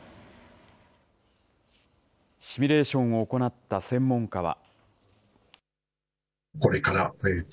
シミュレーションを行った専門家は。